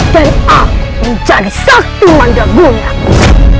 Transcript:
dan aku menjadi sakti mandagunamu